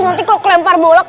nanti kalau kelempar bolak